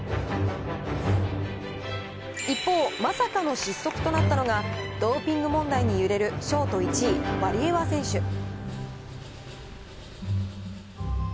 一方、まさかの失速となったのが、ドーピング問題に揺れるショート１位、ワリエワ選手。